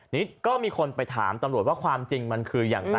นี่ก็มีคนไปถามตำรวจว่าความจริงมันคืออย่างไร